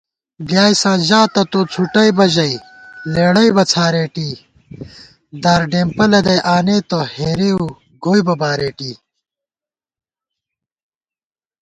بلیائساں ژاتہ توڅھُوٹئبہ ژَئی لېڑَئبہ څھارېٹی دار ڈېمپہ لَدَئی آنېتہ ہېریؤ گوئیبہ بارېٹی